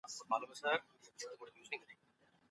ځواني مي تېره کړه خو ښه کارونه مي و نه کړل .